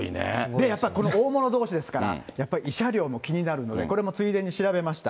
で、やっぱり大物どうしですから、やっぱり慰謝料も気になるので、これもついでに調べました。